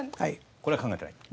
これは考えてない。